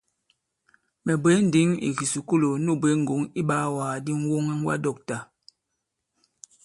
Mɛ̀ bwě ǹndǐŋ ì kìsùkulù nu bwě ŋgɔ̂ŋ iɓaawàgàdi ŋ̀woŋwadɔ̂ktà.